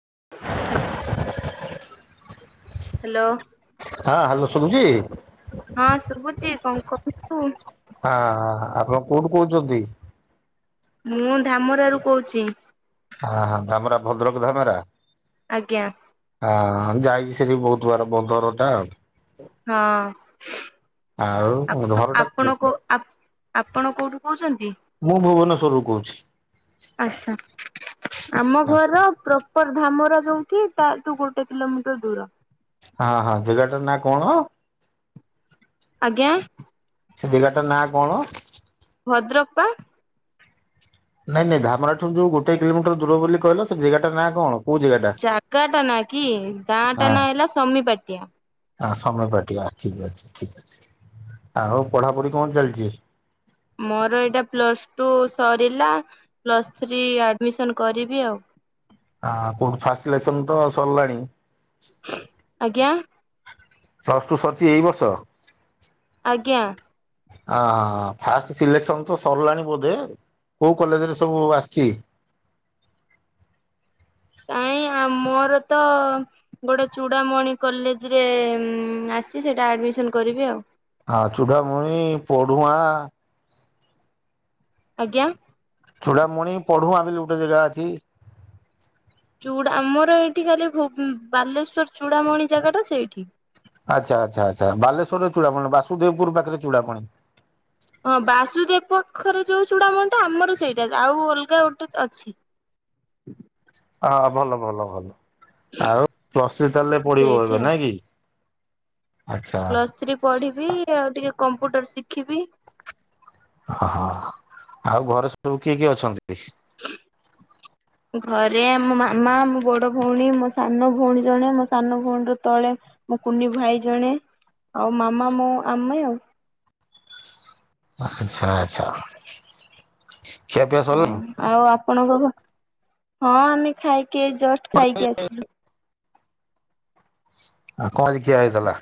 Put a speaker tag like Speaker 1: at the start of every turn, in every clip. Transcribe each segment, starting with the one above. Speaker 1: [inaudible] Hello
Speaker 2: ହା hello ସୁବୁଚି
Speaker 1: ହଁ ଶୁଭୁଛି କଣ କୁହନ୍ତୁ
Speaker 2: ହଁ ଆପଣ କୋଉଠୁ କହୁଛନ୍ତି।
Speaker 1: ମୁଁ ଧାମରାରୁ କହୁଛି।
Speaker 2: ଆହା ଧାମରା ଭଦ୍ରକ ଧାମେରା
Speaker 1: ଆଜ୍ଞା
Speaker 2: ଆ ଯାଇଛି ସେଠି ବହୁତ ବାର ବଦର ଟା
Speaker 1: ହଁ
Speaker 2: ଆଉ ଘର ଟା
Speaker 1: ଆ ଆପଣ କୋଉଠୁ କହୁଛନ୍ତି।
Speaker 2: ମୁଁ ଭୁବନେଶ୍ଵରରୁ କହୁଛି।
Speaker 1: ଆଛା ଆମ ଘର ପ୍ର ପର ଧାମରା ଯୋଉଠି ତା ତୁ ଗୋଟେ କିଲୋମିଟର ଦୂର।
Speaker 2: ହଁ ହଁ ଜାଗାଟା ନାଁ କଣ
Speaker 1: ଆଜ୍ଞା
Speaker 2: ସେ ଜେଗାଟା ନାଁ କଣ।
Speaker 1: ଭଦ୍ରକ ପା।
Speaker 2: ନାଇଁ ନାଇ ଧାମରାଠୁ ଯୋଉ ଗୋଟେ କିଲୋମିଟର ଦୂର ବୋଲି କହିଲ ସେ ଜେଗା ନା କଣ। କୋଉ ଜାଗାଟା?
Speaker 1: ଜାଗା ଟା ନା କି ଗାଁ ଟା
Speaker 2: ହଁ
Speaker 1: ନା ହେଲା ସମିପାଟିଆ।
Speaker 2: ହଁ ସମିପାଟିଆ ଠିକ ଅଛି ଠିକ ଅଛି ଆଉ ପଢାପଢି କଣ ଚାଲିଛି।
Speaker 1: ମୋର ଏଇଟା ପ୍ଲସ୍ ଟୁ ସରିଲା ପ୍ଲସ୍ ଥ୍ରୀ ଆଡମିସନ କରିବି ଆଉ।
Speaker 2: ଆ କୋଉଠୁ ଫାଷ୍ଟ ସିଲେକସନ୍ ତ ସରିଲାଣି।
Speaker 1: ଆଜ୍ଞା।
Speaker 2: ପ୍ଲସ୍ ଟୁ ସରିଛି ଏଇ ବର୍ଷ।
Speaker 1: ଆଜ୍ଞା।
Speaker 2: ଆ‌ ହଁ ଫାଷ୍ଟ ସିଲେକ୍ସନ ତ ସରିଲାଣି ବୋଧେ କୋଉ କଲେଜରେ ସବୁ ଆସିଛି।
Speaker 1: କାଇଁ ଆ ମୋର ତ। ଗୋଟେ ଚୂଡ଼ାମଣି କଲେଜରେ ଆସିଚି ସେଇଟା ଆଡମିସନ କରିବି ଆଉ।
Speaker 2: ଆ ଚୁଡ଼ାମୁଣି ପୋଢୁଆଁ।
Speaker 1: ଆଜ୍ଞା।
Speaker 2: ଚୁଡ଼ାମଣି ପଢୁଆଁ ବୋଲି ଗୋଟେ ଜାଗା ଅଛି।
Speaker 1: ଚୁଡା ଆମର ଏଇଠି ଖାଲି ଭୁବ୍ ବାଲେଶ୍ୱର ଚୂଡ଼ାମଣି ଜାଗାଟା ସେଇଠି।
Speaker 2: ଆଚ୍ଛା ଆଚ୍ଛ ଆଛା ବାଲେଶ୍ୱର ରେ ଚୁଡାମୁଣୀ ନୁଅ ବାସୁଦେବ ପୁରୁ ପାଖରେ ଚୁଡ଼ାମୁଣି।
Speaker 1: ହଁ ବାସୁଦେବ ପୁରୁ ପାଖରେ ଯୋଉ ଚୁଡା ମଣି ଟା ଆମର ସେଇଟା ଆଉ ଅଲଗା ଗୋଟେ ଅଛି।
Speaker 2: ଆଃ ଭଲ ଭଲ ଭଲ। ଆଉ ପ୍ଲସ୍ ଥ୍ରୀ ତାହେଲେ ପଡିବ
Speaker 1: ସେଇଠି
Speaker 2: ଏବେ
Speaker 1: ଆଉ
Speaker 2: ନାଇଁ କି ଆଛା।
Speaker 1: ସେଠି ପଢିବି ଆଉ ଟିକେ କମ୍ପ୍ୟୁଟର ଶିଖିବି।
Speaker 2: ହଁ ଆଉ ଘରେ ସବୁ କିଏ କିଏ ଅଛନ୍ତି।
Speaker 1: ଘରେ ମୋ ମାମା ମୋ ବଡ ଭଉଣୀ ମୋ ସାନ ଭଉଣୀ ଜଣେ ମୋ ସାନ ଭଉଣୀର ତଳେ। ମୁଁ କୁନି ଭାଇ ଜଣେ ଆଉ ମାମା ମୋ ଆମେ ଆଉ।
Speaker 2: ଆଛା ଆଚ୍ଛା। ଖିଆ ପିଆ
Speaker 1: ହଁ
Speaker 2: ସରିଲାଇଁ।
Speaker 1: ଆଉ ଆପଣଙ୍କ ଘ ହଁ ଆମେ ଖାଇକି ଏଇ ଜଷ୍ଟ ଖାଇକି ଆସିଲୁ।
Speaker 2: ଆଉ କଁ ଆଜି ଖିଆ ହେଇଥିଲା।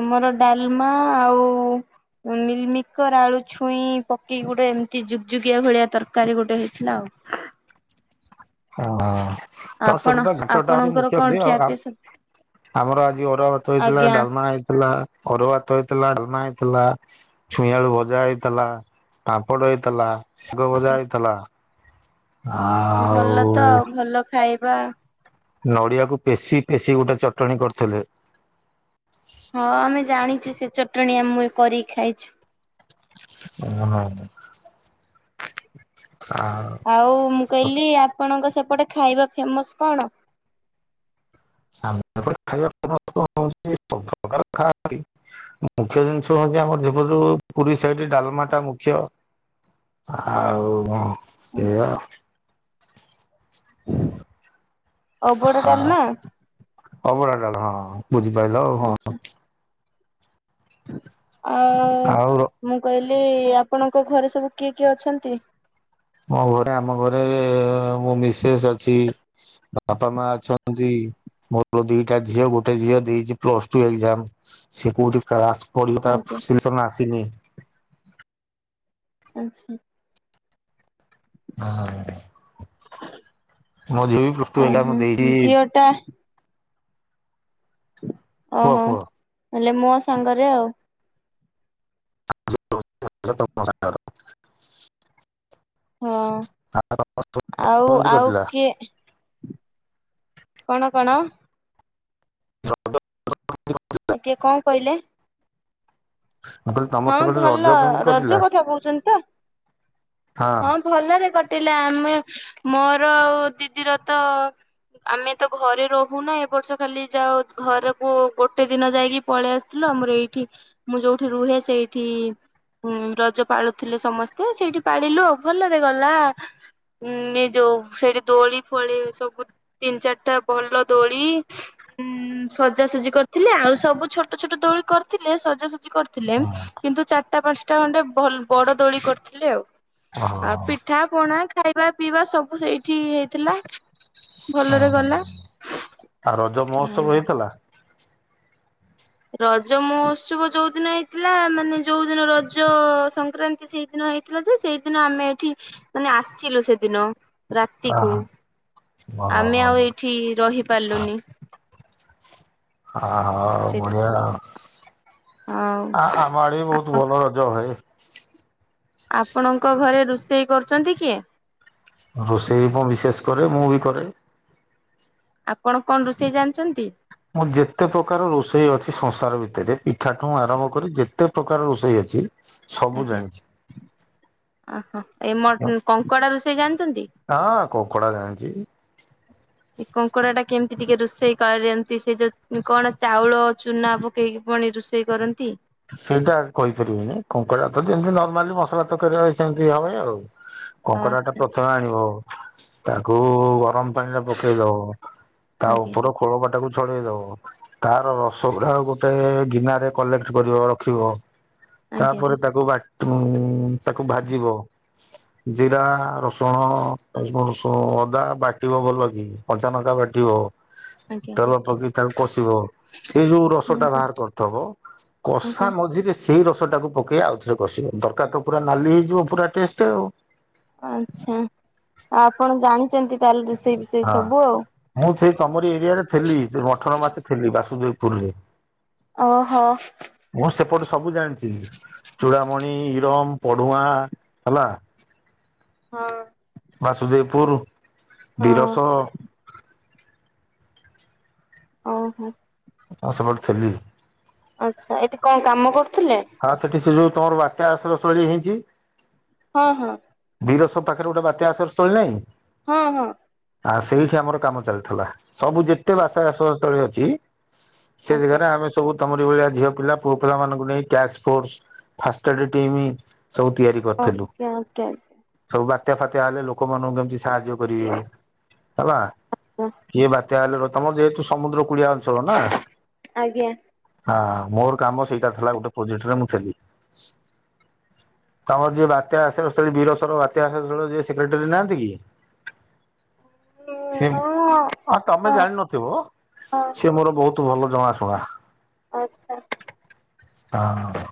Speaker 1: ଆମର ଡାଲମା ଆଉ। ମିଲମିକର ଆଳୁ ଛୁଇଁ ପକେଇି ଗୋଟେ ଏମିତି ଜୁଗଜୁଗିଆ ଭଳିଆ ତରକାରୀ ଗୋଟେ ହେଇଥିଲା ଆଉ। ହ
Speaker 2: ଓ ତମ
Speaker 1: ଆପଣ
Speaker 2: ସେପଟେ ତ ଘାଣ୍ଟ ଟା ହଉଚି
Speaker 1: ଆପଣଙ୍କର
Speaker 2: ମୁଖ୍ୟ
Speaker 1: କଣ
Speaker 2: ଖାଦ୍ୟ
Speaker 1: ଖିଆପିଆ
Speaker 2: ଆଉ।
Speaker 1: ସବୁ
Speaker 2: ଆମର ଆଜି ଅରୁଆ ଭାତ ହେଇଥିଲା
Speaker 1: ଆଜ୍ଞା
Speaker 2: ଡାଲମା ହେଇଥିଲା। ଅରୁଆ ଭାତ ହେଇଥିଲା ଡାଲମା ହେଇଥିଲା। ଛୁଇଁଆଳୁ ଭଜା ହେଇଥିଲା ପାମ୍ପଡ ହେଇଥିଲା ଶଗ ଭଜା ହେଇଥିଲା। ଆଉ।
Speaker 1: ଭଲ ତ ଆଉ ଭଲ ଖାଇବା।
Speaker 2: ନଡ଼ିଆକୁ ପେଶି ପେଶି ଗୋଟେ ଚଟଣୀ କରିଥିଲେ।
Speaker 1: ହଁ ଆମେ ଜାଣିଛୁ ସେ ଚଟଣି ଆମୁଏ କରିକି ଖାଇଛୁ।
Speaker 2: ଓ ହଁ ଆଉ।
Speaker 1: ଆଉ ମୁଁ କହିଲି, ଆପଣଙ୍କ ସେପଟେ ଖାଇବା ଫେମସ୍ କଣ?
Speaker 2: ଆମ ଏପଟେ ଖାଇବା ଫେମସ କଣ ହଉଛି ସବୁ ପ୍ରକାର ଖାଆନ୍ତି। ମୁଖ୍ୟ ଜିନିଷ ହଉଛି, ଆମର ଏ ପଟେ ଯୋଉ ପୁରୀ ସାଇଡ ରେ ଡାଲମା ଟା ମୁଖ୍ୟ। ଆଉ ଏଇଆ ଆଉ। [inaudible]
Speaker 1: ଅଭଡ଼ା ଡାଲମା।
Speaker 2: ଅଭଡ଼ା ଡାଲମା ହଁ ବୁଝିପାରିଲ ଆଉ ହଁ।
Speaker 1: ଆଚ୍ଛା। ଆଉ ମୁଁ କହିଲି ଆପଣଙ୍କ ଘରେ ସବୁ କିଏ କିଏ ଅଛନ୍ତି?
Speaker 2: ମୋ ଘରେ ଆମ ଘରେ ମୁଁ ମିସେସ୍ ଅଛି। ବାପା, ମା ଅଛନ୍ତି। ମୋର ତ ଦିଟା ଝିଅ ଗୋଟେ ଝିଅ ଦେଇଛି ପ୍ଲସ ଟୁ ଏକ୍ଜାମ। ସେ କୋଉଠି କ୍ଲାସ ପଢିବ ତା
Speaker 1: ଆଜ୍ଞା
Speaker 2: ସିଲେସନ ଆସିନି।
Speaker 1: ଆଚ୍ଛା।
Speaker 2: ମୋ ଝିଅ ବି ପ୍ଲସ୍ ଟୁ
Speaker 1: ଓହୋ
Speaker 2: ଏକ୍ସାମ ଦେଇଛି।
Speaker 1: ଝିଅ ଟା
Speaker 2: କୁହ
Speaker 1: ଓହୋ,
Speaker 2: କୁହ
Speaker 1: ହେଲେ ମୋ ସାଙ୍ଗରେ ଆଉ।
Speaker 2: [inaudible]
Speaker 1: ହଁ ଆଉ
Speaker 2: କେମିତି
Speaker 1: ଆଉ
Speaker 2: କଟିଲା
Speaker 1: କିଏ। କଣ କଣ?
Speaker 2: [inaudible]
Speaker 1: କିଏ କଣ କହିଲେ?
Speaker 2: [unintelligible]
Speaker 1: ହଁ
Speaker 2: ରଜ
Speaker 1: ଭଲ,
Speaker 2: କେମିତି
Speaker 1: ରଜ
Speaker 2: କଟିଲା
Speaker 1: କଥା କହୁଛନ୍ତି ତ? ହଁ ଭଲରେ କଟିଲା ଆମେ ମୋର ଆଉ ଦିଦିର ତ ଆମେ ତ ଘରେ ରହୁନା ଏ ବର୍ଷ ଖାଲି ଯାଉ ଘରକୁ ଗୋଟେ ଦିନ ଯାଇକି ପଳେଇ ଆସ ଥିଲୁ ଆମର ଏଇଠି ମୁଁ ଯୋଉଠି ରୁହେ ସେଇଠି। ହୁଁ ରଜ ପାଳୁଥିଲେ ସମସ୍ତେ ସେଇଠି ପାଳିଲୁ ଆଉ ଭଲରେ ଗଲା ଉଁ ଏ ଯୋଉ ସେଠି ଦୋଳି ଫୋଳି ସବୁ ତିନି ଚାରିଟା ଭଲ ଦୋଳି। ଉଁ ସଜାସଜି କରିଥିଲେ, ଆଉ ସବୁ ଛୋଟ ଛୋଟ ଦୋଳି କରିଥିଲେ ସଜାସଜି କରିଥିଲେ। କିନ୍ତୁ ଚାରିଟା ପାଞ୍ଚଟା ଖଣ୍ଡେ ବଡ ଦୋଳି କରିଥିଲେ ଆଉ। ପିଠା ପଣା ଖାଇବା, ପିଇବା ସବୁ ସେଇଠି ହେଇଥିଲା। ଭଲରେ
Speaker 2: ଓହୋ
Speaker 1: ଗଲା।
Speaker 2: ଆଉ ରଜ ମହୋତ୍ସବ ହେଇଥିଲା।
Speaker 1: ରଜ ମହୋତ୍ସବ ଯୋଉ ଦିନ ହେଇଥିଲା, ମାନେ ଯୋଉ ଦିନ ରଜ ସଂକ୍ରାନ୍ତି ସେଇଦିନ ହେଇ ଥିଲା ଯେ, ସେଇଦିନ ଆମେ ଏଠି ମାନେ ଆସିିଲୁ ସେଦିନ। ରାତିକୁ,
Speaker 2: ଆଉ
Speaker 1: ଆମେ ଆଉ ଏଇଠି ରହିପାରିଲୁନି।
Speaker 2: ହଁ, ହଁ
Speaker 1: ସେ
Speaker 2: ବଢିଆ
Speaker 1: ହଉ
Speaker 2: ଆଉ। ଆମ ଆଡେ ବି ବହୁତ
Speaker 1: ଆ
Speaker 2: ଭଲ ରଜ ହୁଏ।
Speaker 1: ଆପଣଙ୍କ ଘରେ ରୋଷେଇ କରୁଛନ୍ତି କିଏ?
Speaker 2: ରୋଷେଇ ମୋ ମିସେସ କରେ ମୁଁ ବି କରେ।
Speaker 1: ଆପଣ କଣ ରୋଷେଇ ଜାଣିଛନ୍ତି?
Speaker 2: ମୁଁ ଯେତେ ପ୍ରକାର ରୋଷେଇ ଅଛି ସଂସାର ଭିତରେ ପିଠାଠୁ ଆରମ୍ଭ କରି ଯେ ତେ ପ୍ରକାର ରୋଷେଇ ଅଛି। ସବୁ
Speaker 1: ଆଜ୍ଞା
Speaker 2: ଜାଣିଛି
Speaker 1: ଓହୋ ଏ ମ କଙ୍କଡା ରୋଷେଇ ଜାଣିଛନ୍ତି?
Speaker 2: ହଁ କଙ୍କଡା ଜାଣିଛି।
Speaker 1: ହ [inaudible] କଙ୍କଡ଼ା ଟା କେମିତି ଟିକେ ରୋଷେଇ କର ଯେମିତି ସେ ଯୋଉ କଣ ଚାଉଳ ଚୁନା ଦେଇକି ପଳେଇଚୁ ସିଏ କରନ୍ତି।
Speaker 2: ସେଇଟା କହିପାରିବନି କଙ୍କଡା ତ ଯେମତି ନର୍ମାଲି ମସଲା ତ କରିବା ସେମିତି ହବ ଇଏ ଆଉ। କଙ୍କଡାଟା
Speaker 1: ଆଚ୍ଛା
Speaker 2: ପ୍ରଥମେ ଆଣିବ ତାକୁ ଗରମ ପାଣିରେ ପକେଇ ଦବ ତା
Speaker 1: ଆଜ୍ଞା
Speaker 2: ଉପରୁ ଖୋଳପାଟାକୁ ଛଡେଇ ଦବ ତାର ରସ ଗୁଡା ଗୋଟେ ଗିନାରେ କଲେକ୍ଟ କରିବ ର ରଖିବ
Speaker 1: ଆଜ୍ଞା
Speaker 2: ତାପରେ ତାକୁ ବାଟ୍ ଉଁ ତାକୁ ଭାଜିବ। ଜିରା ରସୁଣ ଅଦା [unintelligible] ବାଟିବ ଭଲକି। କଞ୍ଚା ନଙ୍କା ବାଟିବ।
Speaker 1: ଆଜ୍ଞା
Speaker 2: ତେଲ ପକେଇକି ତାଙ୍କୁ କଷିବ। ସେ ଯୋଉ ରସଟା
Speaker 1: ଆଜ୍ଞା
Speaker 2: ବାହାର କରିଥବ କ
Speaker 1: ଆଜ୍ଞା।
Speaker 2: ମଝିରେ ସେଇ ରସଟାକୁ ପକେଇ ଆଉ ଥରେ କଷିବ ତରକାରୀ ତ ପୁରା ନାଲି ହେଇଯିବ ପୁରା ଟେଷ୍ଟ ଆଉ।
Speaker 1: ଆଚ୍ଛାଂ ଆଉ ଆପଣ ଜାଣିଚନ୍ତି ତାହେଲେ ରୁଷେଇ ପୁଷେଇ
Speaker 2: ହଁ
Speaker 1: ସବୁ ଆଉ।
Speaker 2: ମୁଁ ସେଇ ତମରି ଏରିଆରେ ଥିଲି ସେ ଅଠର ମାସ ଥିଲି ବାସୁଦେବପୁରରେ।
Speaker 1: ଓହୋ।
Speaker 2: ମୁଁ ସେପଟ ସବୁ ଜାଣିଚି ଚୂଡାମଣି, ଇରମ୍, ପଡୁଆଁ ହେଲା।
Speaker 1: ହଁ।
Speaker 2: ବାସୁଦେବପୁର
Speaker 1: ହଁ
Speaker 2: ଦିରସ।
Speaker 1: ଓହୋ।
Speaker 2: ତମ ସେପଟେ ଥିଲି।
Speaker 1: ଆଚ୍ଛା ଏଠି କଣ କାମ କରୁଥିଲେ?
Speaker 2: ହଁ ସେଠି ସେ ଯୋଉ ତମର ବାତ୍ୟା ଆଶ୍ରୟ ସ୍ଥଳୀ ହେଇଚି।
Speaker 1: ହଁ ହଁ।
Speaker 2: ବୀରସ ପାଖରେ ଗୋଟେ ବାତ୍ୟା ଆଶ୍ରୟ ସ୍ଥଳୀ ନାଇଁ?
Speaker 1: ହଁ ହଁ।
Speaker 2: ଆ ସେଇଠି ଆମର କାମ ଚାଲିଥିଲା। ସବୁ ଯେତେ ବାଷା ସ ସ୍ଥଳୀ ଅଛି। ସେଇ
Speaker 1: ଆଜ୍ଞା।
Speaker 2: ଯାଗାରେ ଆମେ ସବୁ ତମରି ଭଳିଆ ଝିଅ ପିଲା ପୁଅ ପିଲାମାନଙ୍କୁ ନେଇ କ୍ୟାଚ୍ ଫୋର୍ସ ଫାଷ୍ଟେଡ ଟିମ୍ ସବୁ ତିଆରି କରିଥେଲୁ।
Speaker 1: କ୍ୟାବ୍ କ୍ୟାବ୍ [unintelligible]
Speaker 2: ସବୁ ବାତ୍ୟା ଫାତ୍ୟା ହେଲେ ଲୋକମାନଙ୍କୁ କେମିତି ସାହାଯ୍ୟ କରିବେ ହେଲା। କିଏ ବା ତ୍ୟା ହେଲେ ର ତମର ଯେହେତୁ ସମୁଦ୍ର କୁଳିଆ ଅଞ୍ଚଳ ନା।
Speaker 1: ଆଜ୍ଞା
Speaker 2: ହାଁ ମୋର କାମ ସେଇଟା ଥିଲା ଗୋଟେ ପ୍ରୋଜେକ୍ଟରେ ମୁଁ ଥେଲି଼ ତମର ଯିଏ ବାତ୍ୟା ଆସି [unintelligible] ବୀରସର ବାତ୍ୟା ହେଡର ଯିଏ ସେକ୍ରେଟାରୀ ନାହାନ୍ତି କି। ସିଏ
Speaker 1: ହଁ
Speaker 2: ଆ ତମେ
Speaker 1: ହଁ
Speaker 2: ଜାଣିନଥିବ
Speaker 1: ହଁ
Speaker 2: ସିଏ ମୋର ବୋହୁ ତୁ ଭଲ ଜଣାଶୁଣା।
Speaker 1: ଆଚ୍ଛା।
Speaker 2: ଆଁଉ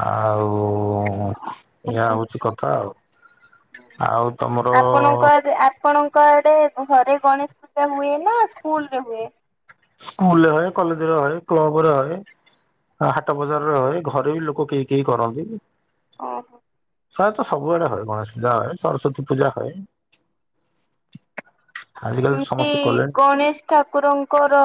Speaker 2: ଆଉ ଉଁ ଏଇୟା ହୋଉଚି କଥା ଆଉ। ଆଉ ତମର
Speaker 1: ଆପଣଙ୍କ ଆଡେ ଆପଣଙ୍କ ଆଡେ ଘରେ ଗଣେଶ ପୂଜା ହୁଏ ନା ସ୍କୁଲରେ ହୁଏ?
Speaker 2: ସ୍କୁଲରେ ହଏ କଲେଜରେ ହଏ କ୍ଲବରେ ହ‌ଏ। ଆ ହାଟ ବଜାରରେ ହୋଏ ଘରେ ବି ଲୋକ କେହି କେହି କରନ୍ତି।
Speaker 1: ଓହୋ।
Speaker 2: ପ୍ରାୟତଃ ସବୁଆଡେ ହଏ ଗଣେଶ ପୂଜା ଏ ସରସ୍ଵତୀ ପୂଜା ହଏ। ଆଜିକାଲି ତ ସମସ୍ତେ
Speaker 1: [unintelligible]
Speaker 2: କଲେଣି।
Speaker 1: ଗଣେଶ ଠାକୁରଙ୍କର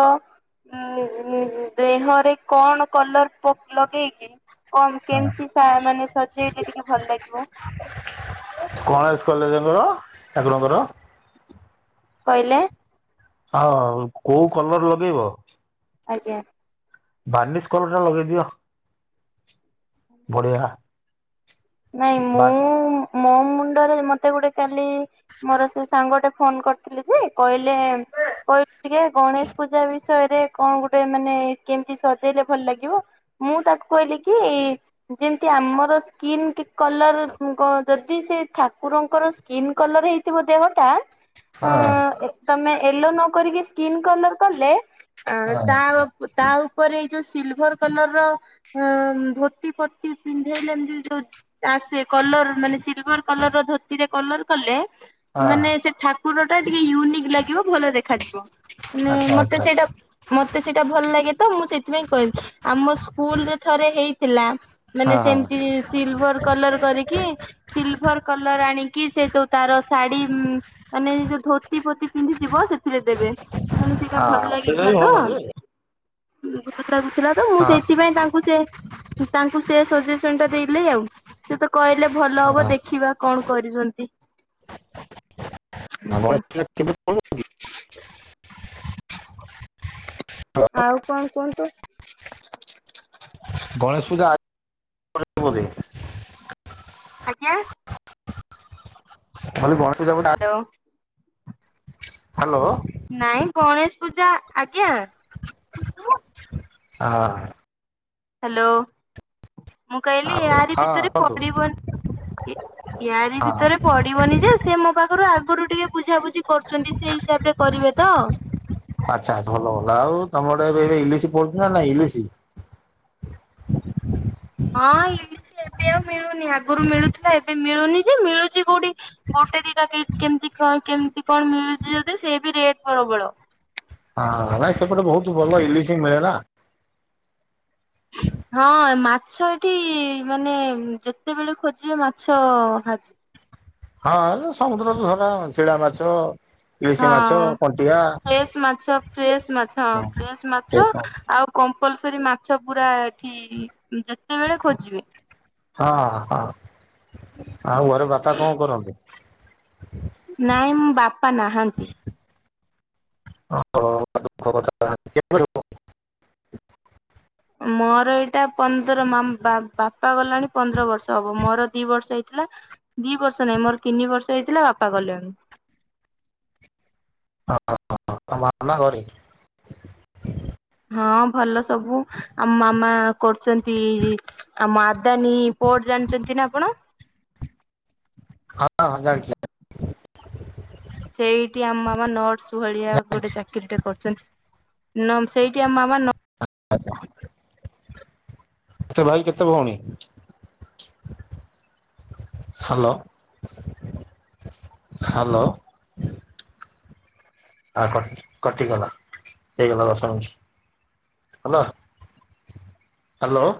Speaker 1: ଉଁ ଉଁ ଦେହରେ କଣ କଲର ପକ୍ ଲଗେଇକି କମ କେମିତି ସା ମାନେ ସଜେଇଲେ ଟିକେ ଭଲ ଲାଗିବ?
Speaker 2: [inaudible] ଗଣେଶ କଲେଜଙ୍କର ହବ ଠାକୁରଙ୍କର।
Speaker 1: କହିଲେ,
Speaker 2: ଆଉ କୋଉ କଲର ଲଗେଇବ।
Speaker 1: ଆଜ୍ଞା‌।
Speaker 2: ବାନିସ କଲରଟା ଲଗେଇ ଦିଅ।
Speaker 1: ନାଇଁ, ମୁଁ
Speaker 2: ବା
Speaker 1: ମୋ ମୁଣ୍ଡରେ, ମତେ ଗୋଟେ କାଲି ମୋର ସେଇ ସାଙ୍ଗଟେ ଫୋନ କରିଥିଲି, ଯେ କହିଲେ କହିଲି, ଟିକେ ଗଣେଶ ପୂଜା ବିଷୟରେ କଣ ଗୋଟେ ମାନେ କେମିତି ସଜେଇଲେ ଭଲ ଲାଗିବ? ମୁଁ ତାକୁ କହିଲି କି ଯେମିତି ଆମର ସ୍କିନ୍ କଲର, ଯଦି ସେ ଠାକୁରଙ୍କର ସ୍କିନ୍ କଲର ହେଇଥିବ ଦେହ ଟା।
Speaker 2: ହଁ।
Speaker 1: ତମେ ୟେଲୋ ନ କରି କି ସ୍କିନ୍ କଲର କଲେ? ତା ତା ଉପରେ ଏଇ ଯୋଉ ସିଲଭର କଲର ର ପ ପତି [inaudible] ଆ ସେ କଲର, ମାନେ ସିଲଭର କଲର ର ଧୋତିରେ କଲର କଲେ।
Speaker 2: ହଁ
Speaker 1: ମାନେ, ସେ ଠାକୁର ଟା ଟିକେ ୟୁନିକ୍ ଲାଗିବ, ଭଲ ଦେଖାଯିବ, ମାନେ
Speaker 2: ଆଚ୍ଛା
Speaker 1: ମତେ
Speaker 2: ଆଚ୍ଛା
Speaker 1: ସେଇଟା ମତେ ସେଇଟା ଭଲ ଲାଗେ, ତ ମୁଁ ସେଥିପାଇଁ କହିଲି। ଆମ ସ୍କୁଲରେ ଥରେ ହେଇଥିଲା। ମାନେ,
Speaker 2: ହଁ ହଁ
Speaker 1: ସେମିତି ସିଲଭର କଲର କରିକି। ସିଲଭର କଲର ଆଣିକି, ସେ ଯୋଉ ତାର ଶାଢୀ ମାନେ, ଯୋଉ ଧୋତି ଫୋତି ପିନ୍ଧିଥିବ, ସେଥିରେ ଦେବେ। ମାନେ, ସେଇଟା ଭଲ
Speaker 2: ହଁ ସେଇଟା ବି
Speaker 1: ଲାଗିଥିଲା ତ!
Speaker 2: ଭଲ ଯେ
Speaker 1: [inaudible] ତ, ମୁଁ
Speaker 2: ହଁ
Speaker 1: ସେଇଥିପାଇଁ ତାଙ୍କୁ ସେ ତାଙ୍କୁ ସେ ସଜେସନ ଟା ଦେଇଲେ, ଆଉ ସେ ତ କହିଲେ, ଭଲ ହବ
Speaker 2: ହଁ
Speaker 1: ଦେଖିବା କଣ? କରିଛନ୍ତି।
Speaker 2: [inaudible]
Speaker 1: ଆଉ କଣ କୁହନ୍ତୁ?
Speaker 2: ଗଣେଶ ପୂଜା। [inaudible]
Speaker 1: ଆଜ୍ଞା। Hello
Speaker 2: [inaudible] hello.
Speaker 1: ନାଇଁ, ଗଣେଶ ପୂଜା ଆଜ୍ଞା।
Speaker 2: [inaudible]
Speaker 1: ହ୍ୟାଲୋ, ମୁଁ କହିଲି,
Speaker 2: ଆଉ
Speaker 1: ଏହାରି
Speaker 2: ହଁ
Speaker 1: ଭିତରେ
Speaker 2: କୁହନ୍ତୁ।
Speaker 1: ପଡିବନି। ୟାରି
Speaker 2: ହଁ
Speaker 1: ଭିତରେ ପଡିବନି ଯେ। ସେ ମୋ ପାଖରୁ ଆଗରୁ ଟିକେ ବୁଝାବୁଝି କରୁଛନ୍ତି ସେଇ ଖିଆ ପିଆ କରିବେ ତ?
Speaker 2: ଆଚ୍ଛା ଆଚ୍ଛା, ଭଲ ଭଲ। ଆଉ ତମର ଆଡେ ଏବେ ଇଲିଶ ପଡୁଛିନା? ନାଇଁ, ଇଲିଶି?
Speaker 1: ହଁ, ଏଇ ଏବେ ଆଉ ମିଳୁନି। ଆଗରୁ ମିଳୁଥିଲା, ଏବେ ମିଳୁନି ଯେ ମିଳୁଛି କୋଉଠି? ଗୋଟେ ଦିଟା କେମତି କେମିତି କଣ ମିଳୁଛି, ଯଦି ସେ ବି ରେଟ୍ ପ୍ରବଳ।
Speaker 2: ହଁ, ସେପଟେ ବହୁତ ଭଲ ଇଲିଶ ମିଳେ ନା?
Speaker 1: ହଁ, ମାଛ ଏଠି ମାନେ ଯେତେବେଳେ ଖୋଜିବେ, ମାଛ ହାଜିିବ।
Speaker 2: ହଁ, ସମୁଦ୍ର ତ ଧରା ଶିଳା ମାଛ। ଇଲିଶି ମାଛ
Speaker 1: ହଁ,
Speaker 2: କଣ୍ଟିଆ
Speaker 1: ଫ୍ରେଶ ମାଛ, ଫ୍ରେଶ ମାଛ। ହଁ, ଫ୍ରେଶ
Speaker 2: ହଁ
Speaker 1: ମାଛ! ଆଉ କମ୍ପଲସରି ମାଛ ପୁରା ଏଠି ଯେତେବେଳେ ଖୋଜିବେ ପା
Speaker 2: ହଁ ହଁ ଆଉ ଘରେ ବାପା କଣ କରନ୍ତି?
Speaker 1: ନାଇଁ ମୁଁ ବାପା ନାହାଁନ୍ତି।
Speaker 2: ଓହୋ ଦୁଃଖ କଥା କେବେ ଠୁ?
Speaker 1: ମୋର ଏଇଟା ପନ୍ଦର ବାପା ବାପା ଗଲେଣି ପନ୍ଦର ବର୍ଷ ହବ ମୋର ଦି ବର୍ଷ ହେଇଥିଲା। ଦି ବର୍ଷ ନାଇଁ ମୋର ତିନି ବର୍ଷ ହେଇଥିଲା ବାପା ଗଲେଣି।
Speaker 2: [unintelligible]
Speaker 1: ହଁ ଭଲ ସବୁ ଆମ ମାମା କରୁଛନ୍ତି ଆମ ଆଦାନୀ ପୋଅଟ ଜାଣିଛନ୍ତି ନା ଆପଣ?
Speaker 2: ହଁ ହଁ ଜାଣିଛି।
Speaker 1: ସେଇଠି ଆମ ମାମା ନର୍ସ ଭଳିଆ ଗୋଟେ
Speaker 2: ଜାଣିଛି।
Speaker 1: ଚାକିରୀ ଟେ କରୁଛନ୍ତି। ନମ୍ ସେଇଠି ଆମ ମାମା ନ
Speaker 2: ଆଚ୍ଛା କେତେ ଭାଇ କେତେ ଭଉଣୀ? Hello hello. ଆ କଟ୍ କଟିଗଲା ହେଇଗଲା ଦଶ ମିନିଟ୍ ହାଲୋ। ହ୍ୟାଲୋ।